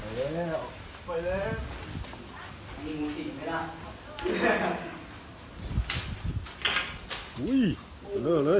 ตอนนี้ก็ไม่มีเวลาให้กลับไปแต่ตอนนี้ก็ไม่มีเวลาให้กลับไป